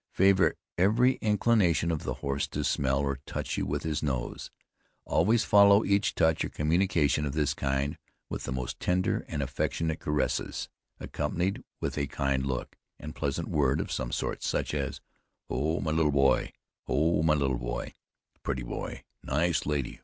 Favor every inclination of the horse to smell or touch you with his nose. Always follow each touch or communication of this kind with the most tender and affectionate caresses, accompanied with a kind look, and pleasant word of some sort, such as: Ho! my little boy, ho! my little boy, pretty boy, nice lady!